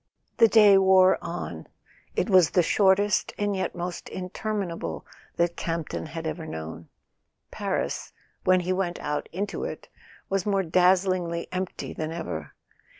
A SON AT THE FRONT The day wore on: it was the shortest and yet most interminable that Campton had ever known. Paris, when he went out into it, was more dazzlingly empty than ever.